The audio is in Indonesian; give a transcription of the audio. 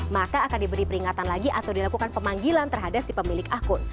maka akan diberi peringatan lagi atau dilakukan pemanggilan terhadap si pemilik akun